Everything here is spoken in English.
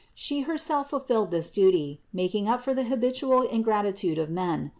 She Herself fulfilled this duty, making up for the habitual ingratitude of men.